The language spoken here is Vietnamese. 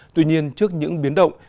tuy nhiên trước những biến động